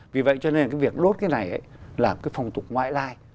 vì vậy cho nên cái việc đốt cái này là cái phòng tục ngoại lai